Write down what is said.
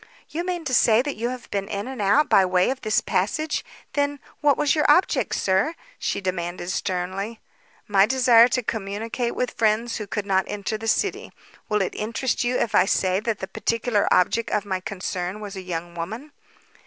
"You mean to say that you have been in and out by way of this passage? Then, what was your object, sir?" she demanded sternly. "My desire to communicate with friends who could not enter the city. Will it interest you if I say that the particular object of my concern was a young woman?"